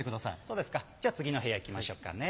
そうですかじゃあ次の部屋行きましょうかね。